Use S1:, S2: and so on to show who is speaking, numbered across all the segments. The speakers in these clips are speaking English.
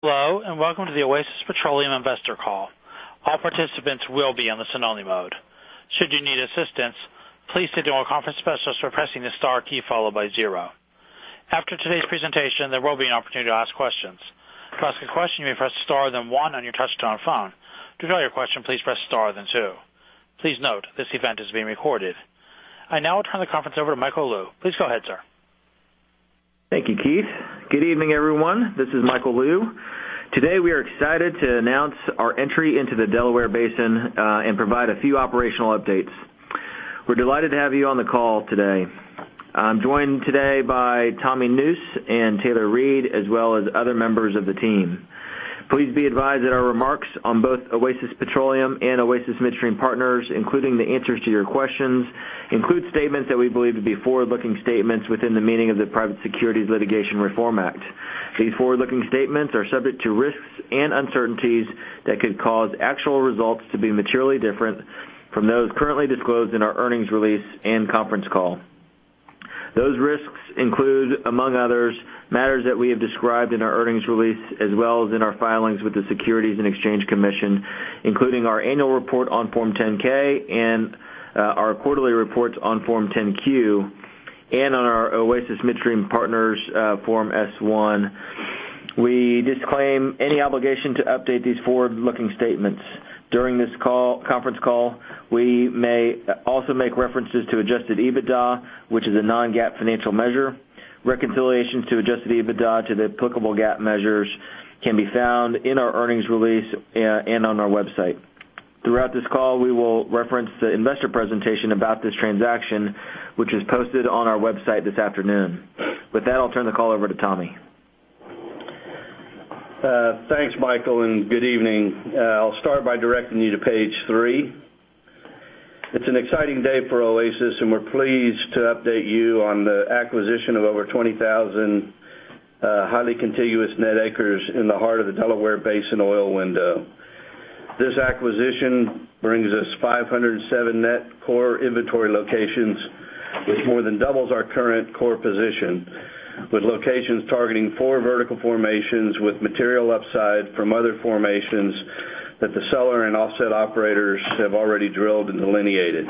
S1: Hello, and welcome to the Oasis Petroleum Investor Call. All participants will be on the listen-only mode. Should you need assistance, please signal a conference specialist by pressing the star key followed by zero. After today's presentation, there will be an opportunity to ask questions. To ask a question, you may press star, then one on your touch-tone phone. To withdraw your question, please press star, then two. Please note, this event is being recorded. I now turn the conference over to Michael Lou. Please go ahead, sir.
S2: Thank you, Michael. Good evening, everyone. This is Michael Lou. Today, we are excited to announce our entry into the Delaware Basin, and provide a few operational updates. We're delighted to have you on the call today. I'm joined today by Tommy Nusz and Taylor Reid, as well as other members of the team. Please be advised that our remarks on both Oasis Petroleum and Oasis Midstream Partners, including the answers to your questions, include statements that we believe to be forward-looking statements within the meaning of the Private Securities Litigation Reform Act. These forward-looking statements are subject to risks and uncertainties that could cause actual results to be materially different from those currently disclosed in our earnings release and conference call. Those risks include, among others, matters that we have described in our earnings release, as well as in our filings with the Securities and Exchange Commission, including our annual report on Form 10-K and our quarterly reports on Form 10-Q, and on our Oasis Midstream Partners, Form S-1. We disclaim any obligation to update these forward-looking statements. During this conference call, we may also make references to adjusted EBITDA, which is a non-GAAP financial measure. Reconciliations to adjusted EBITDA to the applicable GAAP measures can be found in our earnings release and on our website. Throughout this call, we will reference the investor presentation about this transaction, which is posted on our website this afternoon. With that, I'll turn the call over to Tommy.
S3: Thanks, Michael, and good evening. I'll start by directing you to page three. It's an exciting day for Oasis, and we're pleased to update you on the acquisition of over 20,000 highly contiguous net acres in the heart of the Delaware Basin oil window. This acquisition brings us 507 net core inventory locations, which more than doubles our current core position, with locations targeting four vertical formations with material upside from other formations that the seller and offset operators have already drilled and delineated.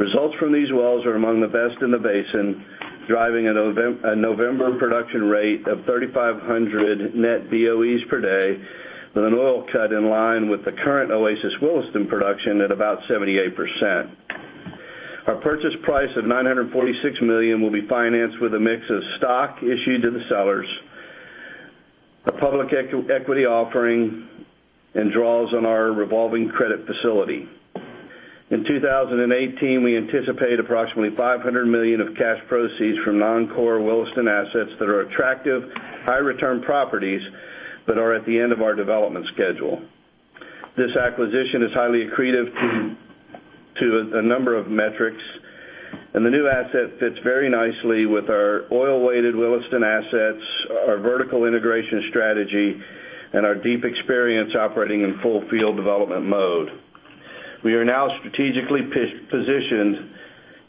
S3: Results from these wells are among the best in the basin, driving a November production rate of 3,500 net BOE per day, with an oil cut in line with the current Oasis Williston production at about 78%. Our purchase price of $946 million will be financed with a mix of stock issued to the sellers, a public equity offering, and draws on our revolving credit facility. In 2018, we anticipate approximately $500 million of cash proceeds from non-core Williston assets that are attractive, high-return properties, but are at the end of our development schedule. This acquisition is highly accretive to a number of metrics, and the new asset fits very nicely with our oil-weighted Williston assets, our vertical integration strategy, and our deep experience operating in full field development mode. We are now strategically positioned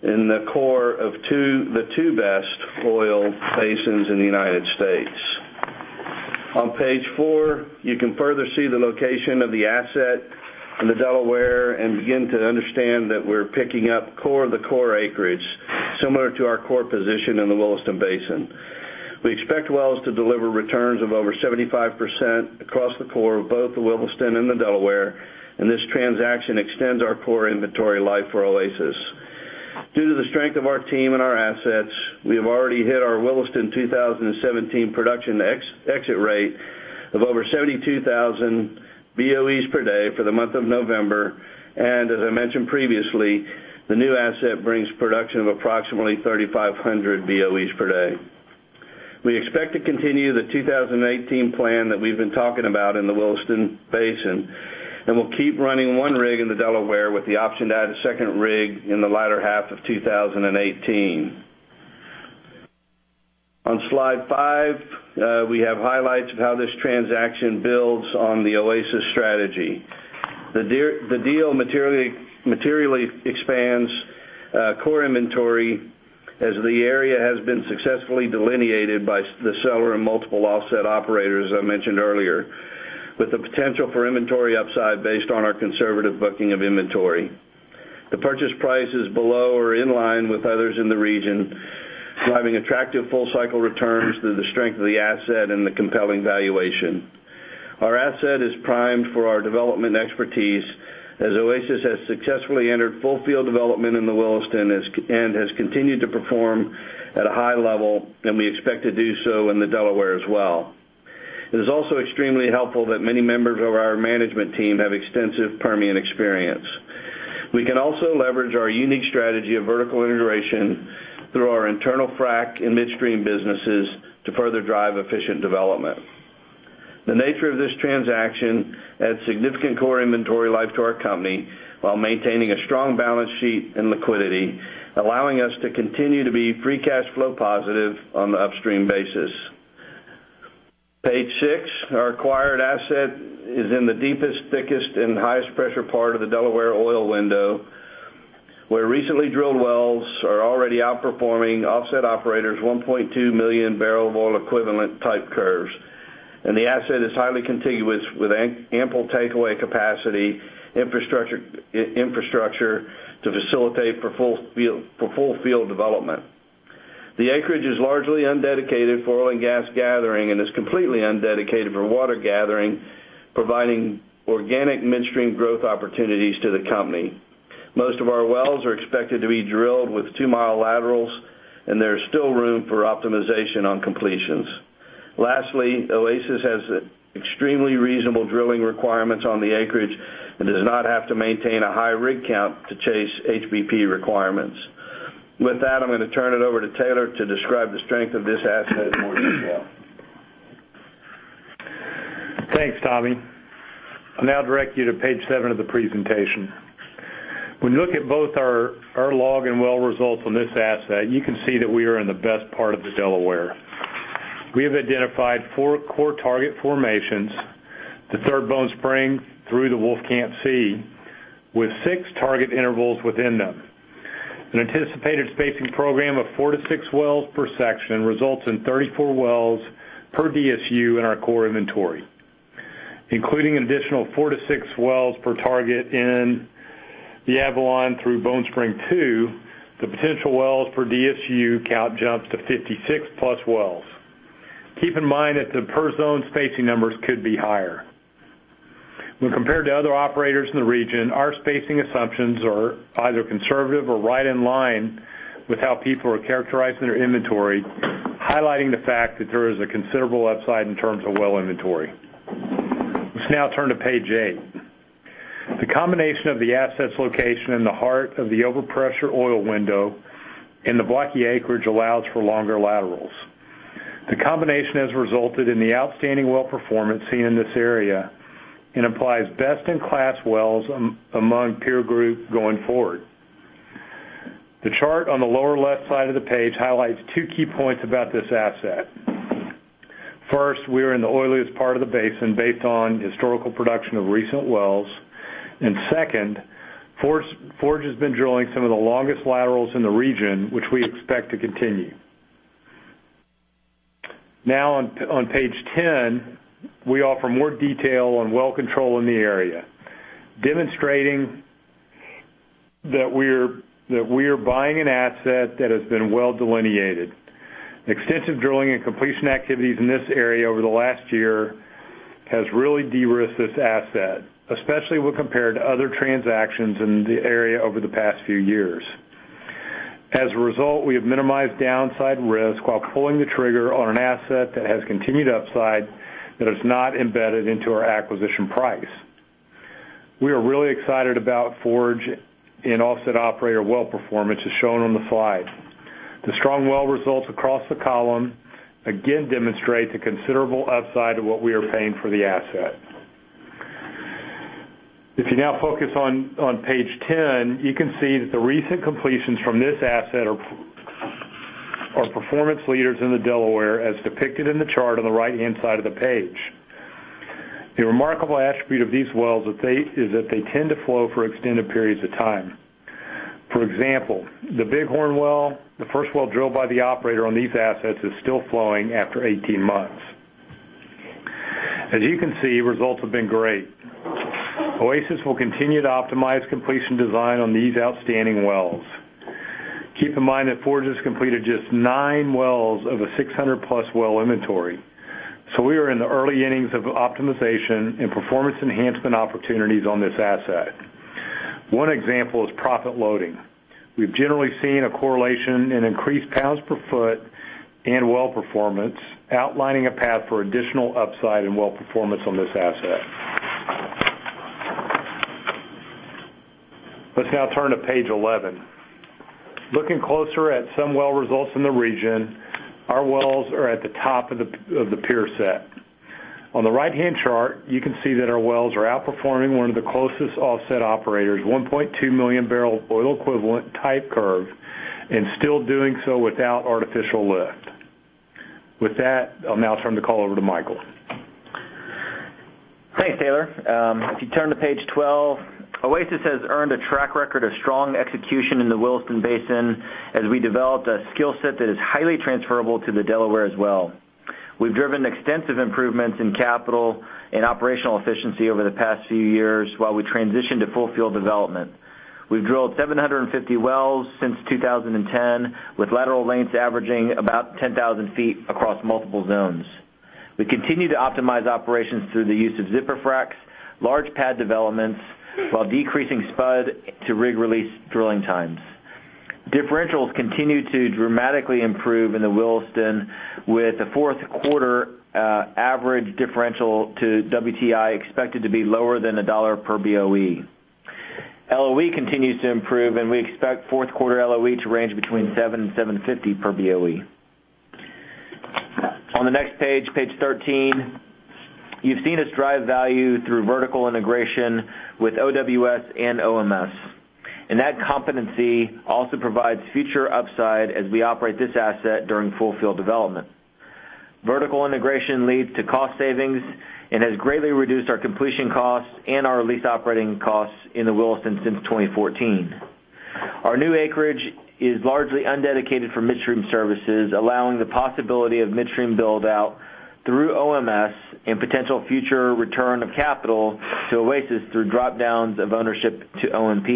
S3: in the core of the two best oil basins in the U.S. On page four, you can further see the location of the asset in the Delaware and begin to understand that we're picking up core of the core acreage, similar to our core position in the Williston Basin. We expect wells to deliver returns of over 75% across the core of both the Williston and the Delaware, and this transaction extends our core inventory life for Oasis. Due to the strength of our team and our assets, we have already hit our Williston 2017 production exit rate of over 72,000 BOEs per day for the month of November, and as I mentioned previously, the new asset brings production of approximately 3,500 BOEs per day. We expect to continue the 2018 plan that we've been talking about in the Williston Basin, and we'll keep running one rig in the Delaware with the option to add a second rig in the latter half of 2018. On slide five, we have highlights of how this transaction builds on the Oasis strategy. The deal materially expands core inventory as the area has been successfully delineated by the seller and multiple offset operators I mentioned earlier, with the potential for inventory upside based on our conservative booking of inventory. The purchase price is below or in line with others in the region, driving attractive full-cycle returns through the strength of the asset and the compelling valuation. Our asset is primed for our development expertise, as Oasis has successfully entered full field development in the Williston and has continued to perform at a high level, and we expect to do so in the Delaware as well. It is also extremely helpful that many members of our management team have extensive Permian experience. We can also leverage our unique strategy of vertical integration through our internal frack and midstream businesses to further drive efficient development. The nature of this transaction adds significant core inventory life to our company while maintaining a strong balance sheet and liquidity, allowing us to continue to be free cash flow positive on the upstream basis. Page six. Our acquired asset is in the deepest, thickest, and highest-pressure part of the Delaware oil window. Recently drilled wells are already outperforming offset operators, 1.2 million barrel oil equivalent type curves. The asset is highly contiguous with ample takeaway capacity infrastructure to facilitate for full field development. The acreage is largely undedicated for oil and gas gathering, and is completely undedicated for water gathering, providing organic midstream growth opportunities to the company. Most of our wells are expected to be drilled with two-mile laterals, and there is still room for optimization on completions. Lastly, Oasis has extremely reasonable drilling requirements on the acreage and does not have to maintain a high rig count to chase HBP requirements. With that, I'm going to turn it over to Taylor to describe the strength of this asset in more detail.
S4: Thanks, Tommy. I'll now direct you to page seven of the presentation. When you look at both our log and well results on this asset, you can see that we are in the best part of the Delaware. We have identified four core target formations, the Third Bone Spring through the Wolfcamp C, with six target intervals within them. An anticipated spacing program of four to six wells per section results in 34 wells per DSU in our core inventory. Including an additional four to six wells per target in the Avalon through Bone Spring 2, the potential wells for DSU count jumps to 56 plus wells. Keep in mind that the per zone spacing numbers could be higher. When compared to other operators in the region, our spacing assumptions are either conservative or right in line with how people are characterizing their inventory, highlighting the fact that there is a considerable upside in terms of well inventory. Let's now turn to page eight. The combination of the asset's location in the heart of the overpressure oil window and the blocky acreage allows for longer laterals. The combination has resulted in the outstanding well performance seen in this area and implies best-in-class wells among peer group going forward. The chart on the lower left side of the page highlights two key points about this asset. First, we are in the oiliest part of the basin based on historical production of recent wells. Second, Forge has been drilling some of the longest laterals in the region, which we expect to continue. On page 10, we offer more detail on well control in the area, demonstrating that we are buying an asset that has been well delineated. Extensive drilling and completion activities in this area over the last year has really de-risked this asset, especially when compared to other transactions in the area over the past few years. As a result, we have minimized downside risk while pulling the trigger on an asset that has continued upside that is not embedded into our acquisition price. We are really excited about Forge and offset operator well performance, as shown on the slide. The strong well results across the column again demonstrate the considerable upside to what we are paying for the asset. If you now focus on page 10, you can see that the recent completions from this asset are performance leaders in the Delaware, as depicted in the chart on the right-hand side of the page. The remarkable attribute of these wells is that they tend to flow for extended periods of time. For example, the Bighorn well, the first well drilled by the operator on these assets is still flowing after 18 months. As you can see, results have been great. Oasis will continue to optimize completion design on these outstanding wells. Keep in mind that Forge has completed just nine wells of a 600-plus well inventory. We are in the early innings of optimization and performance enhancement opportunities on this asset. One example is proppant loading. We've generally seen a correlation in increased pounds per foot and well performance, outlining a path for additional upside and well performance on this asset. Let's now turn to page 11. Looking closer at some well results in the region, our wells are at the top of the peer set. On the right-hand chart, you can see that our wells are outperforming one of the closest offset operators, 1.2 million barrels oil equivalent type curve, and still doing so without artificial lift. With that, I'll now turn the call over to Michael.
S2: Thanks, Taylor. If you turn to page 12, Oasis has earned a track record of strong execution in the Williston Basin as we developed a skill set that is highly transferable to the Delaware as well. We've driven extensive improvements in capital and operational efficiency over the past few years while we transitioned to full field development. We've drilled 750 wells since 2010, with lateral lengths averaging about 10,000 feet across multiple zones. We continue to optimize operations through the use of zipper fracs, large pad developments, while decreasing spud to rig release drilling times. Differentials continue to dramatically improve in the Williston, with the fourth quarter average differential to WTI expected to be lower than $1 per BOE. LOE continues to improve, and we expect fourth quarter LOE to range between $7 and $7.50 per BOE. On the next page 13, you've seen us drive value through vertical integration with OWS and OMS. That competency also provides future upside as we operate this asset during full field development. Vertical integration leads to cost savings and has greatly reduced our completion costs and our lease operating costs in the Williston since 2014. Our new acreage is largely undedicated for midstream services, allowing the possibility of midstream build-out through OMS and potential future return of capital to Oasis through drop-downs of ownership to OMP.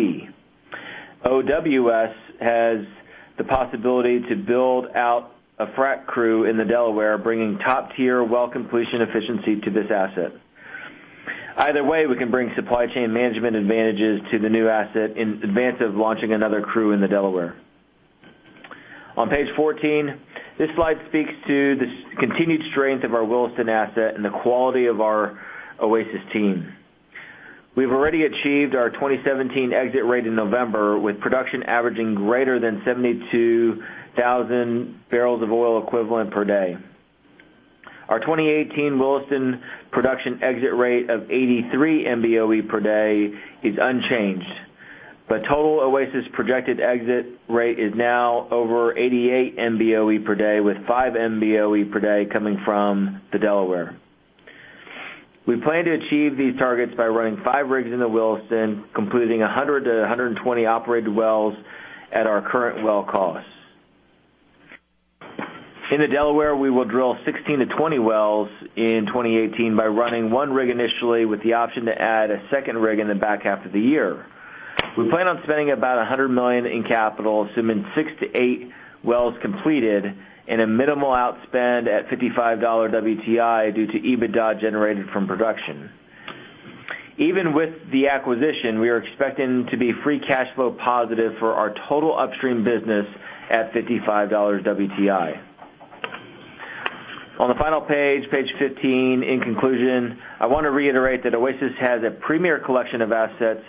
S2: OWS has the possibility to build out a frac crew in the Delaware, bringing top-tier well completion efficiency to this asset. Either way, we can bring supply chain management advantages to the new asset in advance of launching another crew in the Delaware. On page 14, this slide speaks to the continued strength of our Williston asset and the quality of our Oasis team. We've already achieved our 2017 exit rate in November, with production averaging greater than 72,000 barrels of oil equivalent per day. Our 2018 Williston production exit rate of 83 MBOE per day is unchanged, but total Oasis projected exit rate is now over 88 MBOE per day, with five MBOE per day coming from the Delaware. We plan to achieve these targets by running five rigs in the Williston, completing 100 to 120 operated wells at our current well costs. In the Delaware, we will drill 16 to 20 wells in 2018 by running one rig initially, with the option to add a second rig in the back half of the year. We plan on spending about $100 million in capital, assuming six to eight wells completed and a minimal outspend at $55 WTI due to EBITDA generated from production. Even with the acquisition, we are expecting to be free cash flow positive for our total upstream business at $55 WTI. On the final page 15, in conclusion, I want to reiterate that Oasis has a premier collection of assets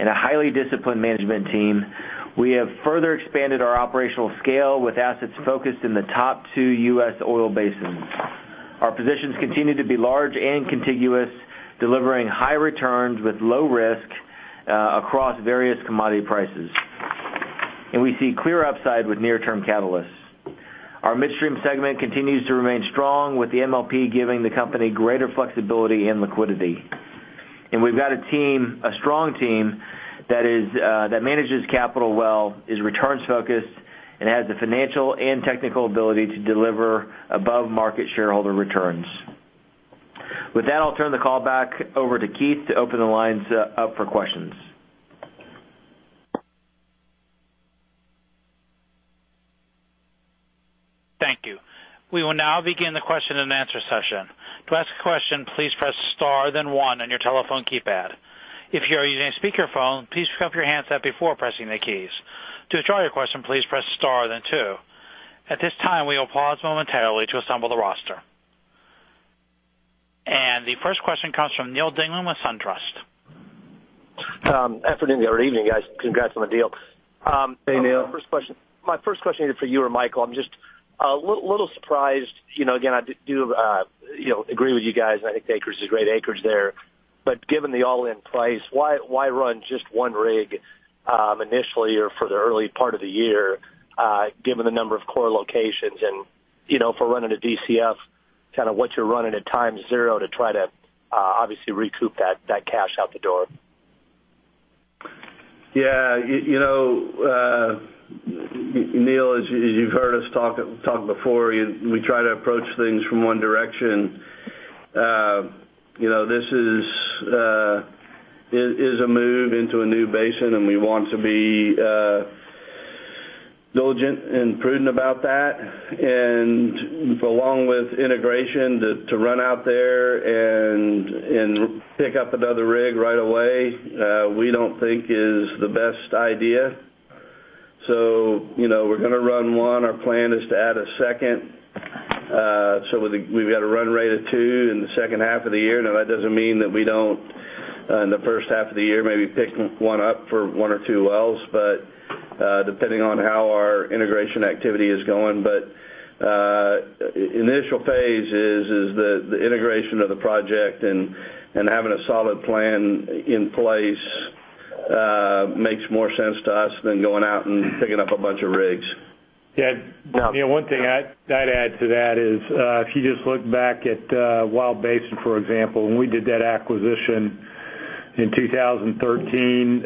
S2: and a highly disciplined management team. We have further expanded our operational scale with assets focused in the top 2 U.S. oil basins. Our positions continue to be large and contiguous, delivering high returns with low risk across various commodity prices. We see clear upside with near-term catalysts. Our midstream segment continues to remain strong, with the MLP giving the company greater flexibility and liquidity. We've got a strong team that manages capital well, is returns focused, and has the financial and technical ability to deliver above-market shareholder returns. With that, I'll turn the call back over to Keith to open the lines up for questions.
S1: Thank you. We will now begin the question and answer session. To ask a question, please press star then one on your telephone keypad. If you are using a speakerphone, please pick up your handset before pressing the keys. To withdraw your question, please press star then two. At this time, we will pause momentarily to assemble the roster. The first question comes from Neal Dingmann with Truist.
S5: Afternoon there, or evening, guys. Congrats on the deal.
S2: Hey, Neal.
S5: My first question is for you or Michael. I'm just a little surprised. Again, I do agree with you guys, and I think the acreage is great acreage there. Given the all-in price, why run just one rig initially or for the early part of the year, given the number of core locations? If we're running a DCF, what you're running at time zero to try to obviously recoup that cash out the door?
S2: Yeah. Neal, as you've heard us talk before, we try to approach things from one direction. This is a move into a new basin, and we want to be diligent and prudent about that. Along with integration, to run out there and pick up another rig right away, we don't think is the best idea. We're going to run one. Our plan is to add a second. We've got a run rate of two in the second half of the year. Now, that doesn't mean that we don't, in the first half of the year, maybe pick one up for one or two wells, but depending on how our integration activity is going. Initial phase is the integration of the project and having a solid plan in place makes more sense to us than going out and picking up a bunch of rigs.
S4: Yeah. Now- One thing I'd add to that is, if you just look back at Wild Basin, for example, when we did that acquisition in 2013,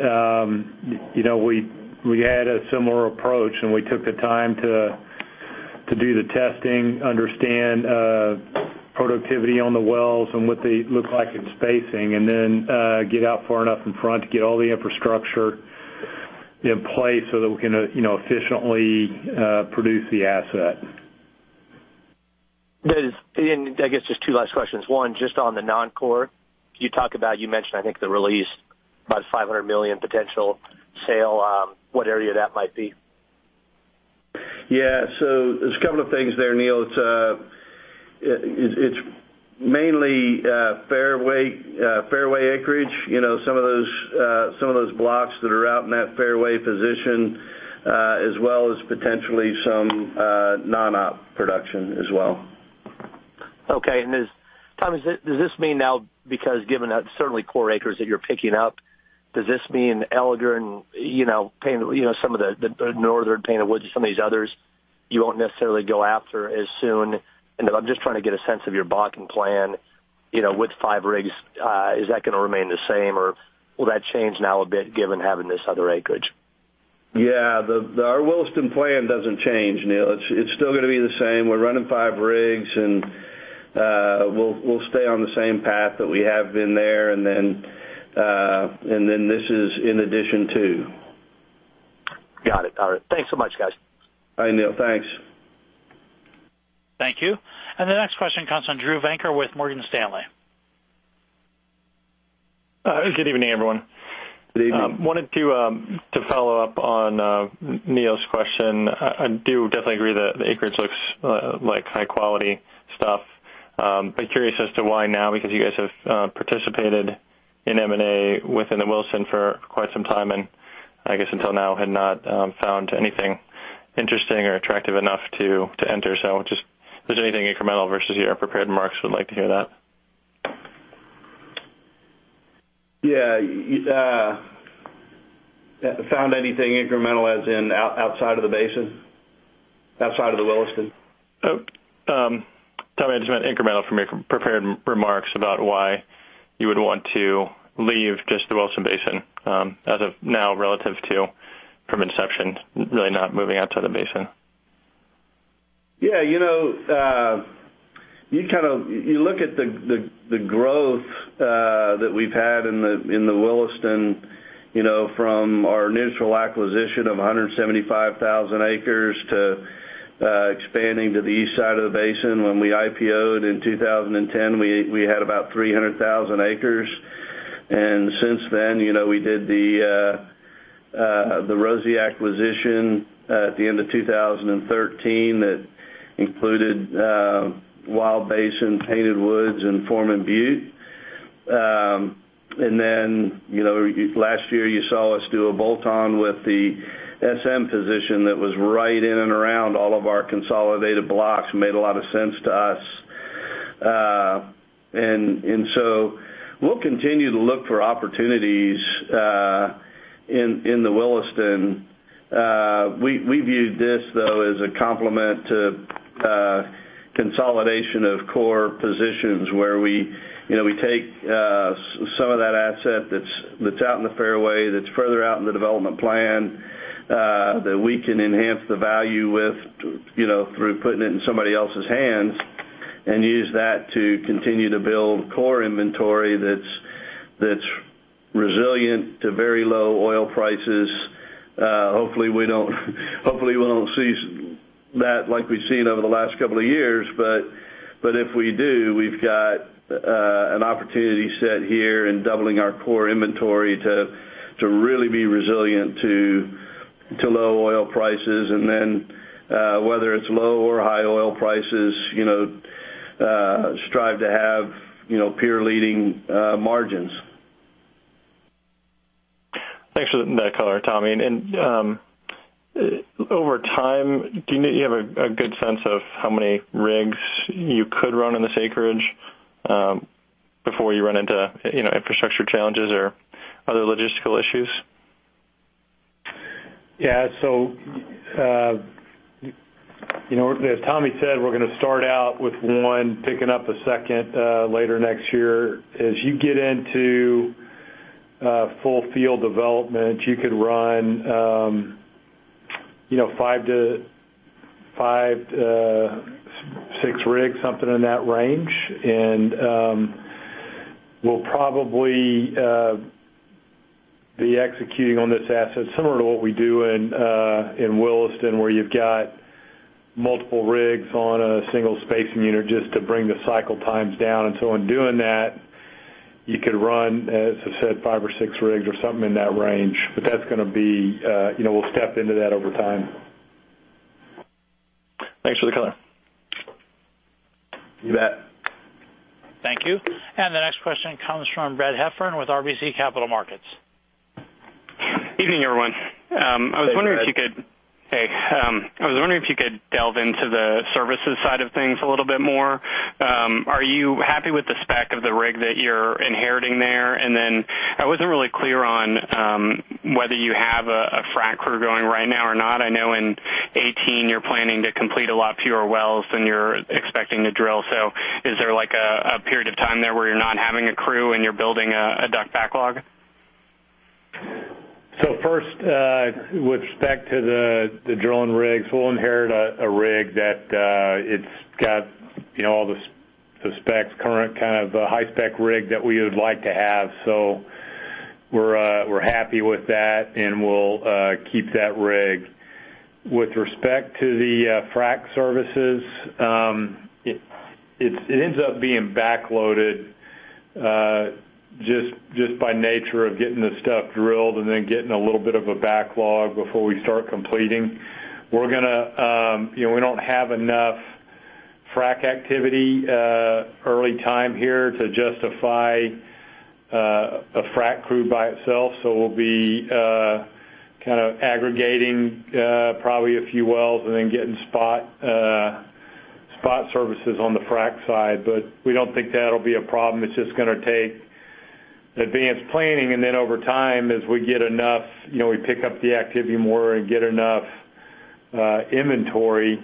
S4: we had a similar approach, and we took the time to do the testing, understand productivity on the wells and what they look like in spacing, and then get out far enough in front to get all the infrastructure in place so that we can efficiently produce the asset.
S5: I guess just two last questions. One, just on the non-core. You mentioned, I think, the release about $500 million potential sale, what area that might be?
S2: There's a couple of things there, Neal. It's mainly Fairway acreage. Some of those blocks that are out in that Fairway position, as well as potentially some non-op production as well.
S5: Tom, does this mean now, because given that certainly core acres that you're picking up Does this mean Alger and some of the Northern Painted Woods and some of these others, you won't necessarily go after as soon? I'm just trying to get a sense of your plotting plan, with five rigs, is that going to remain the same or will that change now a bit given having this other acreage?
S3: Our Williston plan doesn't change, Neal. It's still going to be the same. We're running five rigs, and we'll stay on the same path that we have been there, and then this is in addition to.
S5: Got it. All right. Thanks so much, guys.
S3: Bye, Neal. Thanks.
S1: The next question comes from Drew Venker with Morgan Stanley.
S6: Good evening, everyone.
S3: Good evening.
S6: Wanted to follow up on Neal's question. I do definitely agree that the acreage looks like high-quality stuff. Bit curious as to why now, because you guys have participated in M&A within the Williston for quite some time, and I guess until now had not found anything interesting or attractive enough to enter. If there's anything incremental versus your prepared remarks, would like to hear that.
S3: Yeah. Found anything incremental as in outside of the basin? Outside of the Williston?
S6: Tommy, I just meant incremental from your prepared remarks about why you would want to leave just the Williston Basin, as of now relative to, from inception, really not moving outside the basin.
S3: Yeah. You look at the growth that we've had in the Williston, from our initial acquisition of 175,000 acres to expanding to the east side of the basin. When we IPO'd in 2010, we had about 300,000 acres. Since then, we did the Rosie acquisition at the end of 2013 that included Wild Basin, Painted Woods, and Foreman Butte. Then, last year, you saw us do a bolt-on with the SM position that was right in and around all of our consolidated blocks, made a lot of sense to us. We'll continue to look for opportunities in the Williston. We viewed this, though, as a complement to consolidation of core positions where we take some of that asset that's out in the fairway, that's further out in the development plan, that we can enhance the value with through putting it in somebody else's hands, and use that to continue to build core inventory that's resilient to very low oil prices. Hopefully we won't see that like we've seen over the last couple of years, but if we do, we've got an opportunity set here in doubling our core inventory to really be resilient to low oil prices. Whether it's low or high oil prices, strive to have peer-leading margins.
S6: Thanks for that color, Tommy. Over time, do you have a good sense of how many rigs you could run in this acreage before you run into infrastructure challenges or other logistical issues?
S4: Yeah. As Tommy said, we're going to start out with one, picking up a second later next year. As you get into full field development, you could run 5 to 6 rigs, something in that range. We'll probably be executing on this asset similar to what we do in Williston, where you've got multiple rigs on a single spacing unit just to bring the cycle times down. In doing that, you could run, as I said, 5 or 6 rigs or something in that range. We'll step into that over time.
S6: Thanks for the color.
S3: You bet.
S1: Thank you. The next question comes from Brad Heffern with RBC Capital Markets.
S7: Evening, everyone.
S3: Hey, Brad.
S7: I was wondering if you could delve into the services side of things a little bit more. Are you happy with the spec of the rig that you're inheriting there? Then I wasn't really clear on whether you have a frack crew going right now or not. I know in 2018, you're planning to complete a lot fewer wells than you're expecting to drill. Is there a period of time there where you're not having a crew and you're building a DUC backlog?
S3: First, with respect to the drilling rigs, we'll inherit a rig that it's got all the specs current, kind of the high-spec rig that we would like to have. We're happy with that, and we'll keep that rig. With respect to the frack services, it ends up being backloaded just by nature of getting the stuff drilled and then getting a little bit of a backlog before we start completing. We don't have enough frack activity early time here to justify a frack crew by itself. We'll be aggregating probably a few wells and then getting spot Services on the frac side, but we don't think that'll be a problem. It's just going to take advanced planning, over time, as we pick up the activity more and get enough inventory,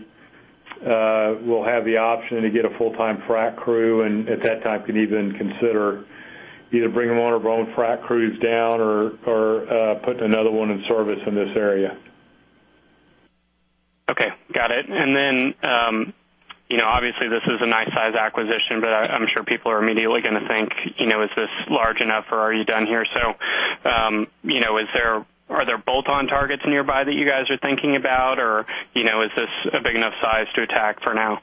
S3: we'll have the option to get a full-time frac crew, and at that time, could even consider either bringing them on or going frac crews down or putting another one in service in this area.
S7: Okay. Got it. Obviously this is a nice size acquisition. I'm sure people are immediately going to think, is this large enough or are you done here? Are there bolt-on targets nearby that you guys are thinking about? Or is this a big enough size to attack for now?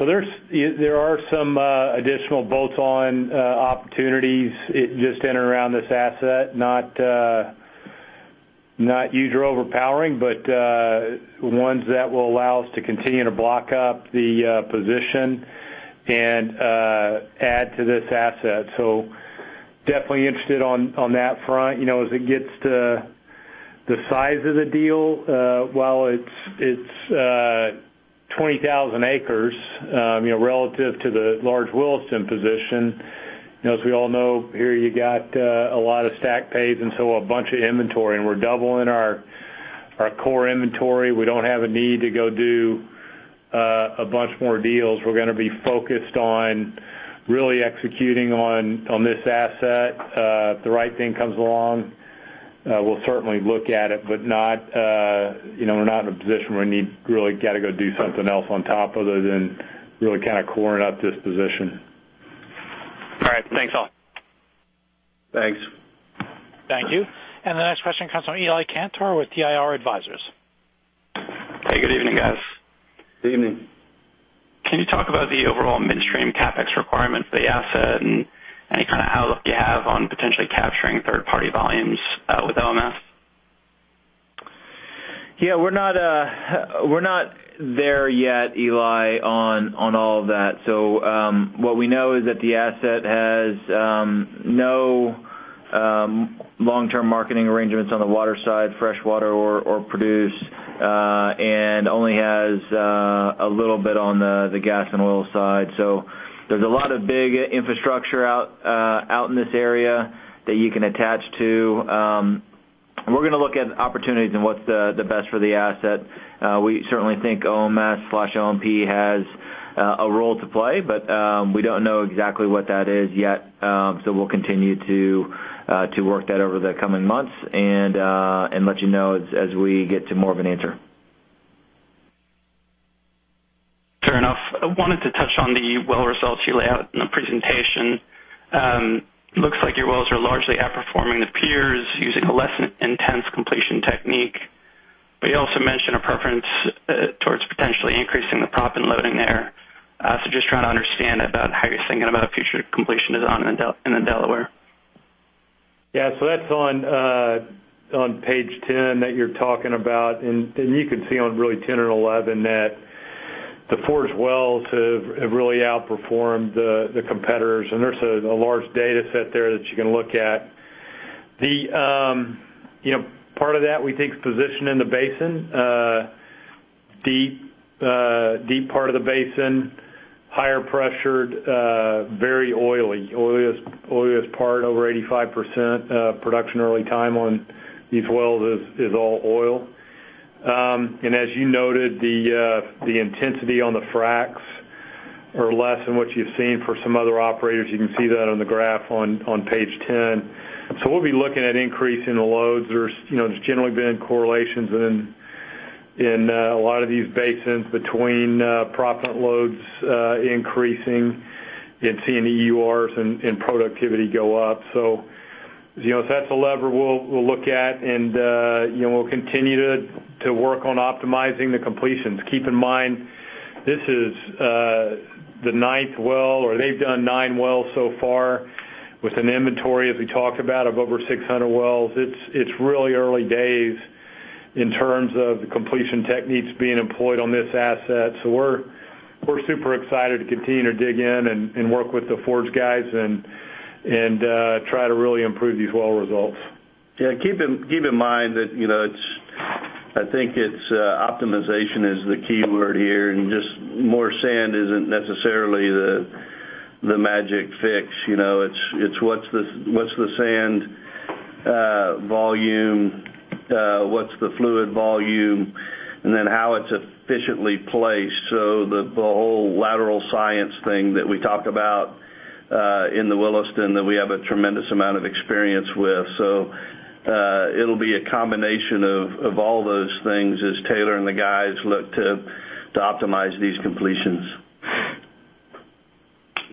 S4: There are some additional bolt-on opportunities just in and around this asset. Not huge or overpowering, ones that will allow us to continue to block up the position and add to this asset. Definitely interested on that front. As it gets to the size of the deal, while it's 20,000 acres, relative to the large Williston position, as we all know here, you got a lot of stacked pays, a bunch of inventory, and we're doubling our core inventory. We don't have a need to go do a bunch more deals. We're going to be focused on really executing on this asset. If the right thing comes along, we'll certainly look at it. We're not in a position where we need really got to go do something else on top other than really kind of coring up this position.
S7: All right. Thanks all.
S4: Thanks.
S1: Thank you. The next question comes from Eli Kantor with DIR Advisors.
S8: Hey, good evening, guys.
S4: Good evening.
S8: Can you talk about the overall midstream CapEx requirement for the asset and any kind of outlook you have on potentially capturing third-party volumes, with OMS?
S2: Yeah, we're not there yet, Eli, on all of that. What we know is that the asset has no long-term marketing arrangements on the water side, fresh water, or produce, and only has a little bit on the gas and oil side. There's a lot of big infrastructure out in this area that you can attach to. We're going to look at opportunities and what's the best for the asset. We certainly think OMS/OMP has a role to play, but we don't know exactly what that is yet. We'll continue to work that over the coming months and let you know as we get to more of an answer.
S8: Fair enough. I wanted to touch on the well results you laid out in the presentation. Looks like your wells are largely outperforming the peers using a less intense completion technique. You also mentioned a preference towards potentially increasing the proppant loading there. Just trying to understand about how you're thinking about future completion design in the Delaware.
S4: Yeah. That's on page 10 that you're talking about, and you can see on really 10 and 11 that the Forge wells have really outperformed the competitors, and there's a large data set there that you can look at. Part of that we think is position in the basin. Deep part of the basin, higher pressured, very oily. Oiliest part, over 85% production early time on these wells is all oil. As you noted, the intensity on the fracs are less than what you've seen for some other operators. You can see that on the graph on page 10. We'll be looking at increasing the loads. There's generally been correlations in a lot of these basins between proppant loads increasing and seeing the EURs and productivity go up. That's a lever we'll look at, and we'll continue to work on optimizing the completions. Keep in mind, this is the ninth well, or they've done nine wells so far with an inventory, as we talked about, of over 600 wells. It's really early days in terms of the completion techniques being employed on this asset. We're super excited to continue to dig in and work with the Forge guys and try to really improve these well results.
S3: Keep in mind that I think optimization is the key word here, and just more sand isn't necessarily the magic fix. It's what's the sand volume, what's the fluid volume, and then how it's efficiently placed. The whole lateral science thing that we talk about in the Williston that we have a tremendous amount of experience with. It'll be a combination of all those things as Taylor and the guys look to optimize these completions.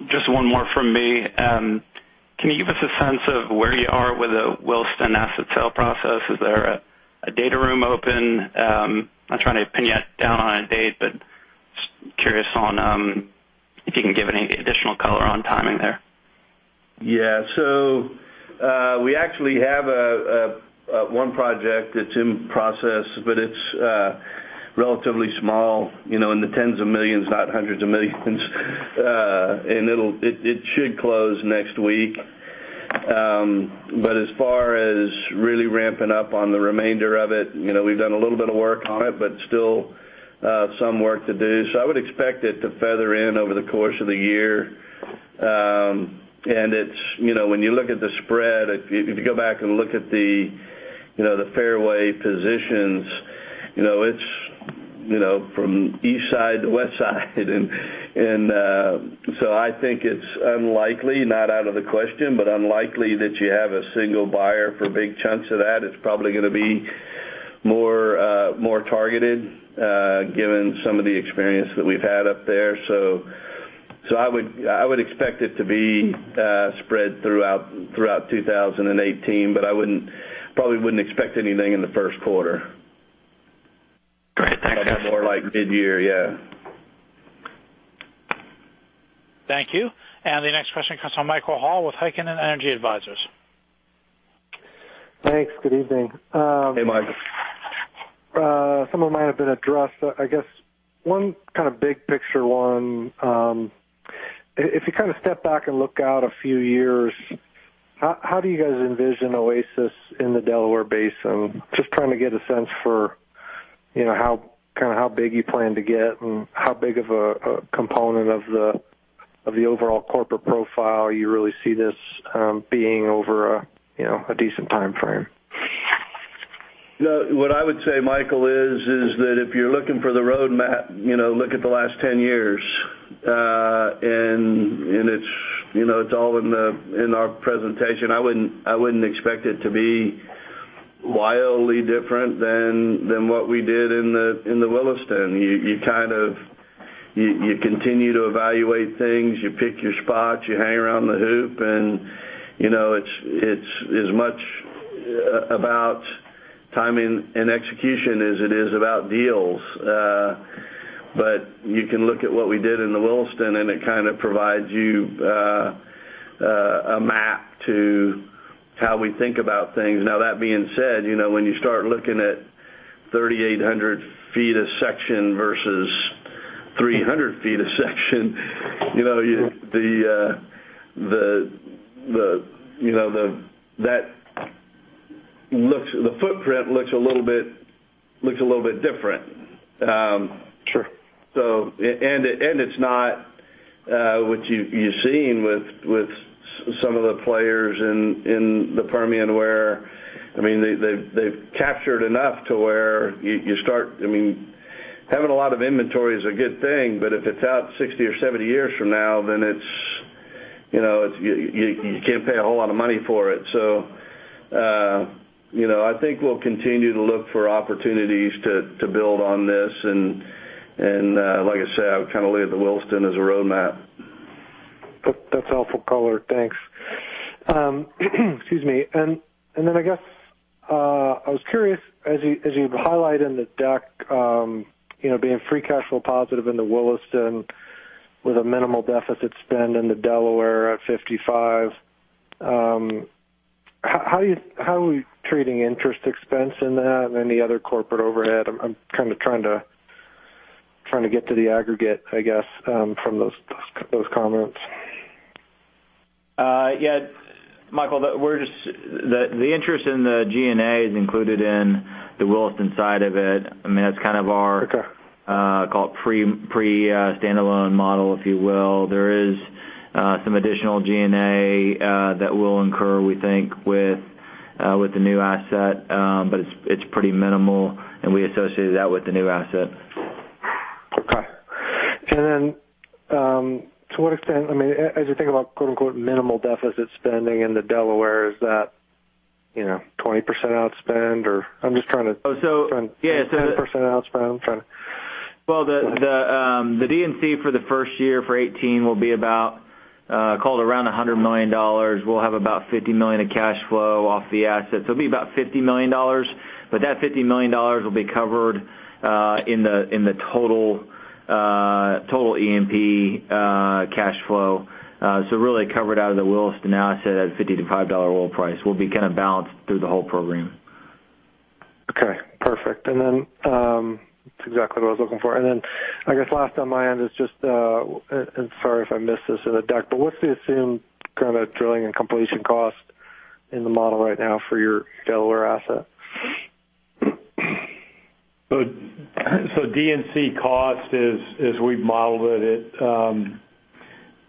S8: Just one more from me. Can you give us a sense of where you are with the Williston asset sale process? Is there a data room open? I'm not trying to pin you down on a date, but just curious if you can give any additional color on timing there.
S4: Yeah. We actually have one project that's in process, but it's relatively small, in the $tens of millions, not $hundreds of millions. It should close next week.
S3: As far as really ramping up on the remainder of it, we've done a little bit of work on it, but still some work to do. I would expect it to feather in over the course of the year. When you look at the spread, if you go back and look at the fairway positions, it's from east side to west side. I think it's unlikely, not out of the question, but unlikely that you have a single buyer for big chunks of that. It's probably going to be more targeted, given some of the experience that we've had up there. I would expect it to be spread throughout 2018, but I probably wouldn't expect anything in the first quarter.
S8: Great. Thanks, guys.
S3: More like mid-year, yeah.
S1: Thank you. The next question comes from Michael Hall with Heikkinen Energy Advisors.
S9: Thanks. Good evening.
S3: Hey, Mike.
S9: Some of them have been addressed. I guess one big picture one, if you step back and look out a few years, how do you guys envision Oasis in the Delaware Basin? Just trying to get a sense for how big you plan to get and how big of a component of the overall corporate profile you really see this being over a decent timeframe.
S3: What I would say, Michael, is that if you're looking for the roadmap, look at the last 10 years. It's all in our presentation. I wouldn't expect it to be wildly different than what we did in the Williston. You continue to evaluate things. You pick your spots, you hang around the hoop, and it's as much about timing and execution as it is about deals. You can look at what we did in the Williston, and it provides you a map to how we think about things. That being said, when you start looking at 3,800 feet a section versus 300 feet a section, the footprint looks a little bit different.
S9: Sure.
S3: It's not what you've seen with some of the players in the Permian where they've captured enough to where having a lot of inventory is a good thing, but if it's out 60 or 70 years from now, then you can't pay a whole lot of money for it. I think we'll continue to look for opportunities to build on this, and like I said, I would look at the Williston as a roadmap.
S9: That's helpful color. Thanks. Excuse me. Then, I guess, I was curious, as you've highlighted in the deck, being free cash flow positive in the Williston with a minimal deficit spend in the Delaware at 55. How are we treating interest expense in that and any other corporate overhead? I'm trying to get to the aggregate, I guess, from those comments.
S2: Yeah. Michael, the interest in the G&A is included in the Williston side of it.
S9: Okay
S2: call it pre-standalone model, if you will. There is some additional G&A that we'll incur, we think, with the new asset, but it's pretty minimal, and we associated that with the new asset.
S9: To what extent, as you think about "minimal deficit spending" in the Delaware, is that 20% outspend, or? I'm just trying to-
S2: Yeah.
S9: 10% outspend? I'm trying to
S2: Well, the D&C for the first year for 2018 will be about, call it around $100 million. We'll have about $50 million of cash flow off the asset. It'll be about $50 million, but that $50 million will be covered in the total E&P cash flow. Really covered out of the Williston asset at a $55 oil price. We'll be balanced through the whole program.
S9: Okay, perfect. That's exactly what I was looking for. Then I guess last on my end is just, and sorry if I missed this in the deck, but what's the assumed drilling and completion cost in the model right now for your Delaware asset?
S3: D&C cost as we've modeled it,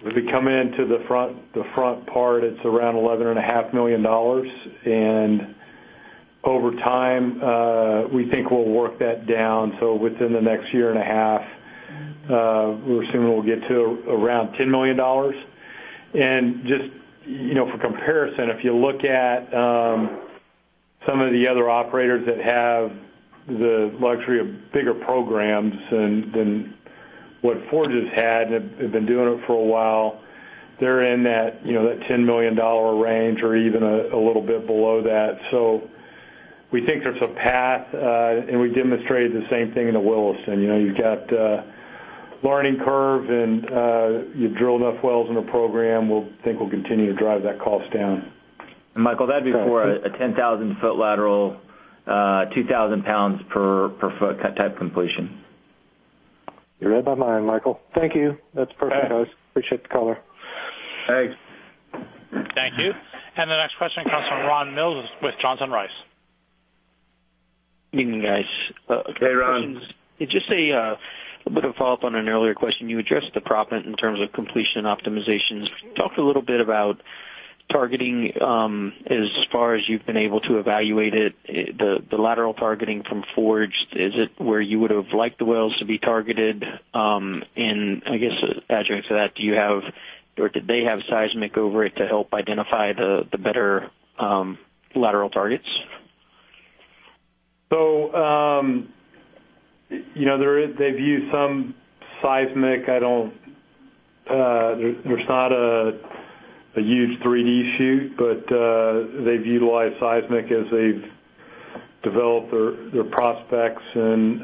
S3: if we come into the front part, it's around $11.5 million. Over time, we think we'll work that down. Within the next year and a half, we're assuming we'll get to around $10 million. Just for comparison, if you look at some of the other operators that have the luxury of bigger programs than what Forge has had, have been doing it for a while. They're in that $10 million range or even a little bit below that. We think there's a path, and we demonstrated the same thing in the Williston. You've got a learning curve, and you drill enough wells in a program, we think we'll continue to drive that cost down.
S2: And Michael, that'd be for a 10,000-foot lateral, 2,000 pounds per foot type completion.
S3: You read my mind, Michael. Thank you. That's perfect, guys.
S9: Okay. Appreciate the color.
S4: Thanks.
S1: Thank you. The next question comes from Ron Mills with Johnson Rice.
S10: Evening, guys.
S4: Hey, Ron.
S10: Just a bit of follow-up on an earlier question. You addressed the proppant in terms of completion optimizations. Talk a little bit about targeting, as far as you've been able to evaluate it, the lateral targeting from FORGE, is it where you would've liked the wells to be targeted? I guess adjacent to that, do you have, or did they have seismic over it to help identify the better lateral targets?
S4: They've used some seismic. There's not a huge 3D shoot, but they've utilized seismic as they've developed their prospects and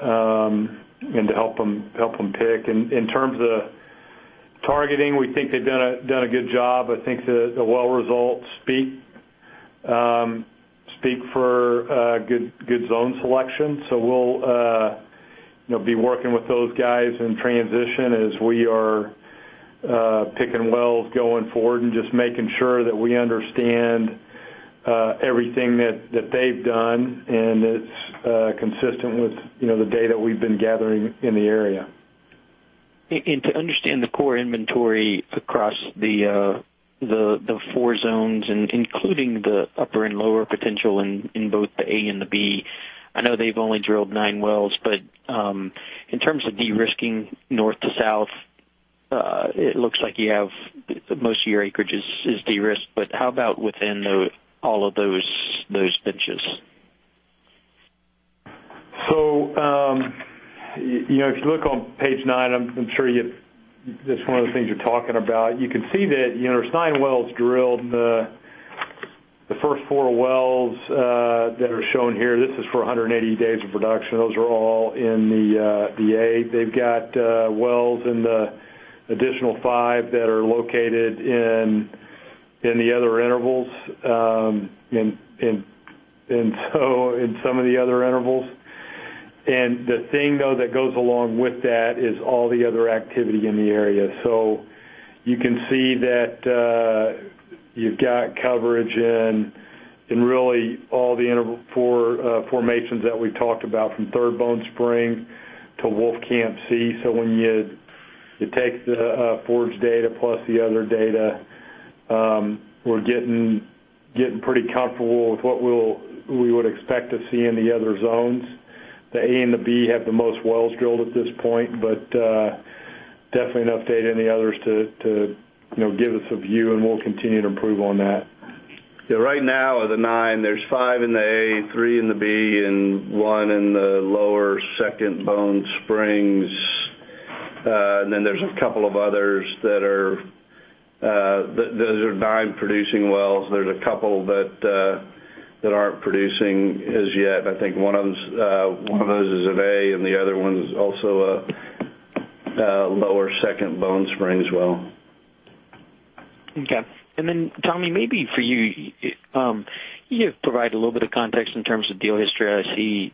S4: to help them pick. In terms of targeting, we think they've done a good job. I think the well results speak for good zone selection. We'll be working with those guys in transition as we are picking wells going forward and just making sure that we understand everything that they've done, and it's consistent with the data we've been gathering in the area.
S10: To understand the core inventory across the four zones, and including the upper and lower potential in both the A and the B, I know they've only drilled nine wells, in terms of de-risking north to south, it looks like most of your acreage is de-risked. How about within all of those stitches?
S4: If you look on page nine, I'm sure that's one of the things you're talking about. You can see that Stein wells drilled the first four wells that are shown here. This is for 180 days of production. Those are all in the A. They've got wells in the additional five that are located in the other intervals, in some of the other intervals. The thing, though, that goes along with that is all the other activity in the area. You can see that you've got coverage in really all the interval formations that we talked about, from Third Bone Spring to Wolfcamp C. When you take the FORGE data plus the other data, we're getting pretty comfortable with what we would expect to see in the other zones. The A and the B have the most wells drilled at this point, definitely an update in the others to give us a view, we'll continue to improve on that.
S3: Yeah. Right now, of the nine, there's five in the A, three in the B, and one in the lower Second Bone Spring. There's a couple of others that are nine producing wells. There's a couple that aren't producing as yet. I think one of those is of A, and the other one's also a lower Second Bone Spring well.
S10: Okay. Tommy, maybe for you, can you provide a little bit of context in terms of deal history? I see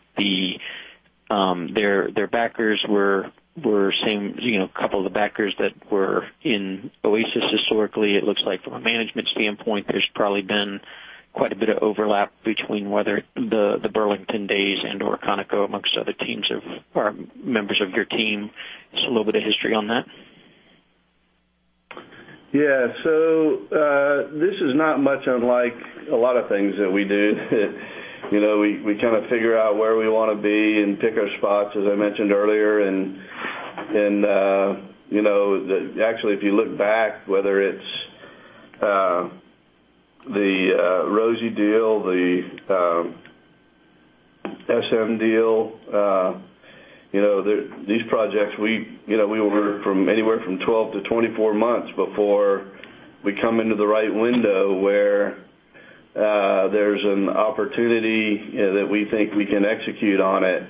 S10: their backers were the same couple of the backers that were in Oasis historically. It looks like from a management standpoint, there's probably been quite a bit of overlap between whether the Burlington days and/or Conoco, amongst other members of your team. Just a little bit of history on that.
S3: This is not much unlike a lot of things that we do. We figure out where we want to be and pick our spots, as I mentioned earlier, actually, if you look back, whether it's the Rosie deal, the SM deal, these projects, we work anywhere from 12-24 months before we come into the right window where there's an opportunity that we think we can execute on it.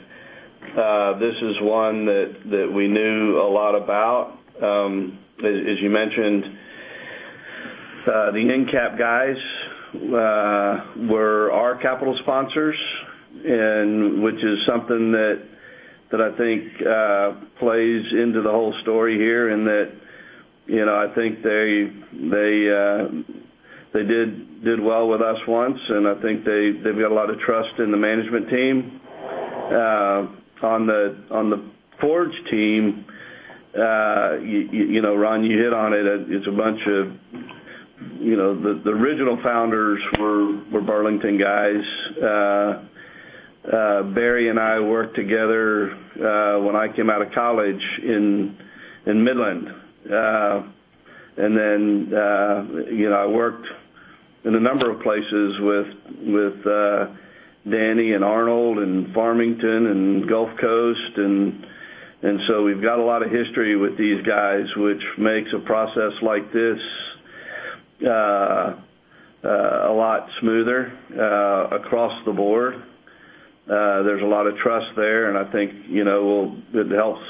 S3: This is one that we knew a lot about. As you mentioned, the EnCap guys were our capital sponsors, which is something that I think plays into the whole story here, in that I think they did well with us once, and I think they've got a lot of trust in the management team. On the Forge team, Ron, you hit on it. The original founders were Burlington guys. Barry and I worked together when I came out of college in Midland. I worked in a number of places with Danny and Arnold in Farmington and Gulf Coast, we've got a lot of history with these guys, which makes a process like this a lot smoother across the board. There's a lot of trust there, and I think it helps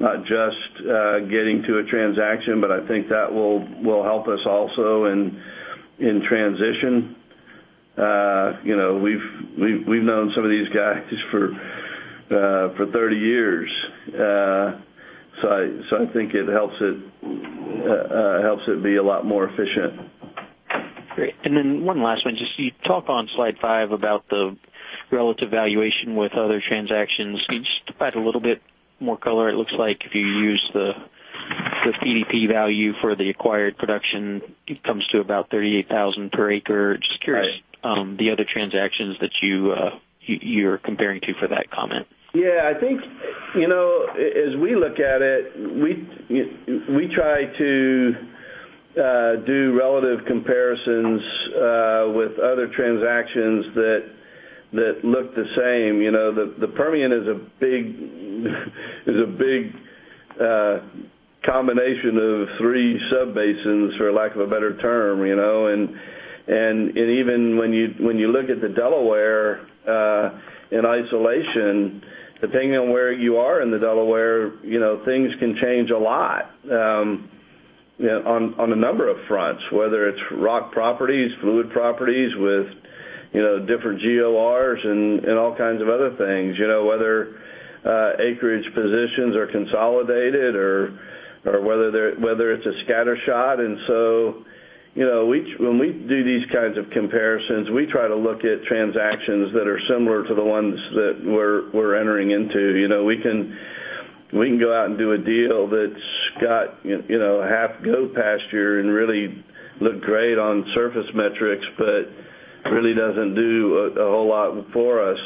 S3: not just getting to a transaction, but I think that will help us also in transition. We've known some of these guys for 30 years. I think it helps it be a lot more efficient.
S10: Great. Then one last one. You talk on slide five about the relative valuation with other transactions. Can you just provide a little bit more color? It looks like if you use the PDP value for the acquired production, it comes to about $38,000 per acre.
S3: Right.
S10: Just curious, the other transactions that you're comparing to for that comment.
S3: Yeah. I think, as we look at it, we try to do relative comparisons with other transactions that look the same. The Permian is a big combination of three subbasins, for lack of a better term. Even when you look at the Delaware in isolation, depending on where you are in the Delaware, things can change a lot on a number of fronts, whether it's rock properties, fluid properties with different GORs and all kinds of other things. Whether acreage positions are consolidated or whether it's a scattershot. When we do these kinds of comparisons, we try to look at transactions that are similar to the ones that we're entering into. We can go out and do a deal that's got half goat pasture and really look great on surface metrics, but really doesn't do a whole lot for us.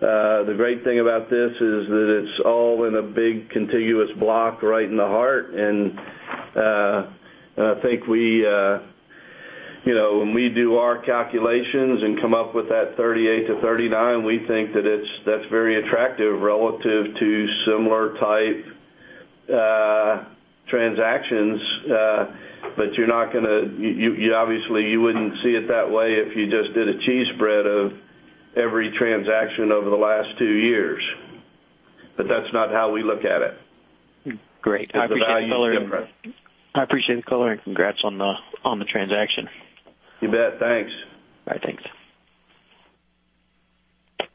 S3: The great thing about this is that it's all in a big contiguous block right in the heart. I think when we do our calculations and come up with that 38-39, we think that that's very attractive relative to similar type transactions. Obviously you wouldn't see it that way if you just did a cheese spread of every transaction over the last two years. That's not how we look at it.
S10: Great. I appreciate the color.
S3: The value difference.
S10: I appreciate the color, and congrats on the transaction.
S3: You bet, thanks.
S10: All right, thanks.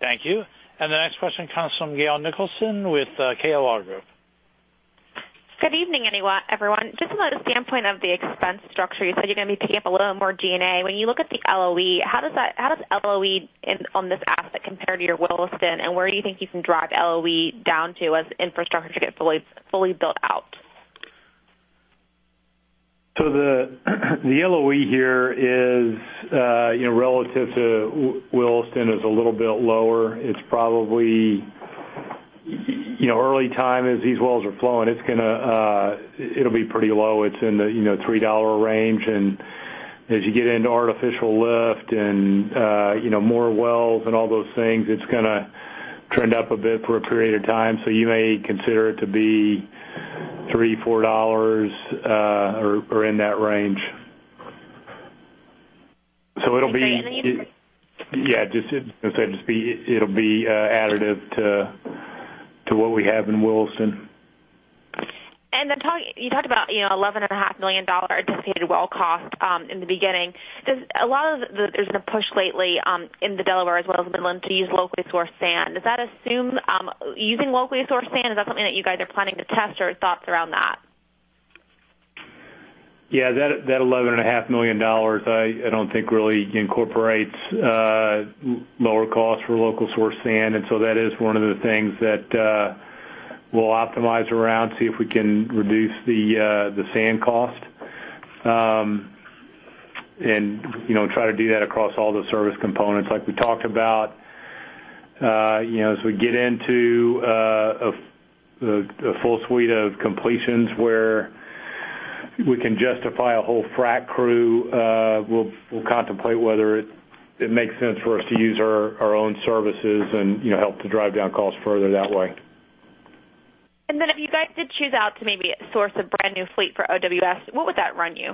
S1: Thank you. The next question comes from Gail Nicholson with KLR Group.
S11: Good evening, everyone. Just about a standpoint of the expense structure, you said you're going to be picking up a little more G&A. When you look at the LOE, how does LOE on this asset compare to your Williston, and where do you think you can drive LOE down to as infrastructure gets fully built out?
S3: The LOE here is relative to Williston is a little bit lower. Early time as these wells are flowing, it'll be pretty low. It's in the $3 range. As you get into artificial lift and more wells and all those things, it's going to trend up a bit for a period of time. You may consider it to be $3, $4 or in that range.
S11: Sorry.
S3: Yeah, just it'll be additive to what we have in Williston.
S11: Then you talked about $11.5 million anticipated well cost in the beginning. There's been a push lately in the Delaware as well as Midland to use locally sourced sand. Using locally sourced sand, is that something that you guys are planning to test or thoughts around that?
S3: Yeah, that $11.5 million I don't think really incorporates lower cost for local sourced sand. That is one of the things that we'll optimize around, see if we can reduce the sand cost, and try to do that across all the service components. Like we talked about, as we get into a full suite of completions where we can justify a whole frack crew, we'll contemplate whether it makes sense for us to use our own services and help to drive down costs further that way.
S11: Then if you guys did choose out to maybe source a brand new fleet for OWS, what would that run you?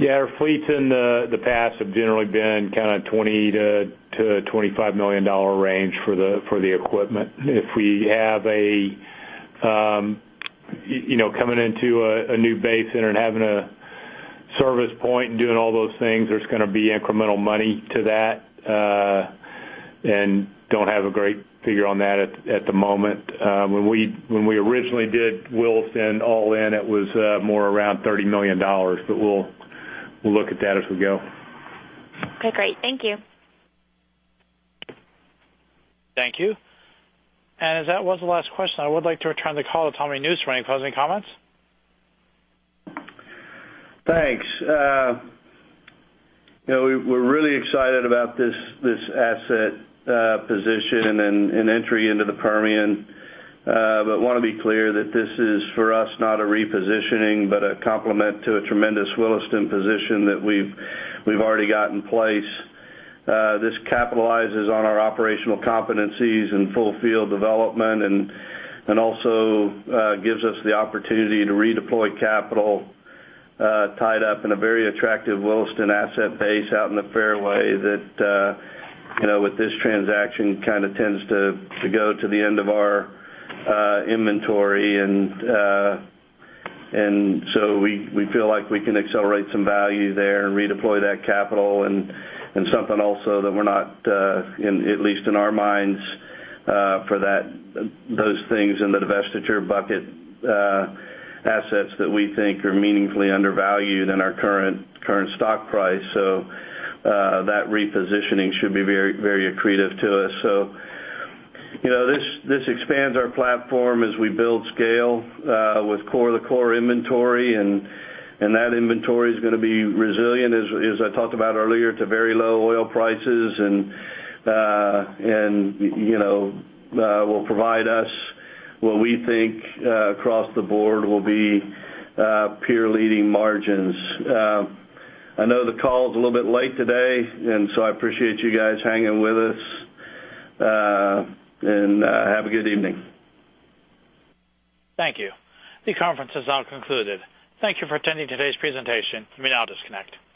S3: Yeah, our fleets in the past have generally been $20 million-$25 million range for the equipment. If we have a coming into a new basin and having a service point and doing all those things, there's going to be incremental money to that, and don't have a great figure on that at the moment. When we originally did Williston all in, it was more around $30 million, but we'll look at that as we go.
S11: Okay, great. Thank you.
S1: Thank you. As that was the last question, I would like to return the call to Thomas Nusz for any closing comments.
S3: Thanks. We're really excited about this asset position and entry into the Permian. Want to be clear that this is for us not a repositioning, but a complement to a tremendous Williston position that we've already got in place. This capitalizes on our operational competencies in full field development and also gives us the opportunity to redeploy capital tied up in a very attractive Williston asset base out in the fairway that with this transaction, tends to go to the end of our inventory. We feel like we can accelerate some value there and redeploy that capital and something also that we're not, at least in our minds, for those things in the divestiture bucket assets that we think are meaningfully undervalued in our current stock price. That repositioning should be very accretive to us. This expands our platform as we build scale with the core inventory, and that inventory is going to be resilient, as I talked about earlier, to very low oil prices and will provide us what we think across the board will be peer leading margins. I know the call's a little bit late today, and so I appreciate you guys hanging with us. Have a good evening.
S1: Thank you. The conference is now concluded. Thank you for attending today's presentation. You may now disconnect.